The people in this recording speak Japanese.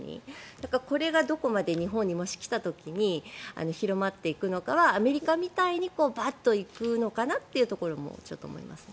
だから、これがどこまで日本にもし来た時に広まっていくのかはアメリカみたいにバッと行くのかなとも思いますね。